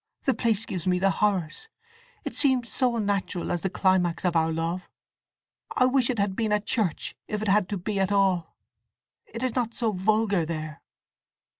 The place gives me the horrors: it seems so unnatural as the climax of our love! I wish it had been at church, if it had to be at all. It is not so vulgar there!"